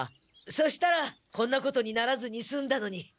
そしたらこんなことにならずにすんだのに。